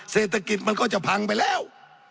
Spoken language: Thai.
เศรษฐกิจมันก็จะพังไปแล้ว